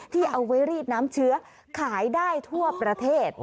ที่เอาไว้รีดน้ำเชื้อขายได้ทั่วประเทศ